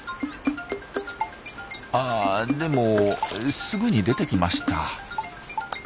あでもすぐに出てきました。